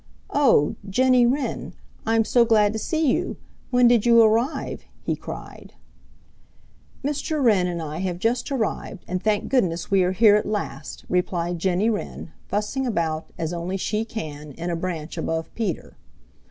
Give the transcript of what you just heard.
"Oh, Jenny Wren, I'm so glad to see you! When did you arrive?" he cried. "Mr. Wren and I have just arrived, and thank goodness we are here at last," replied Jenny Wren, fussing about, as only she can, in a branch above Peter.